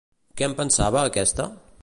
Què en pensava, aquesta?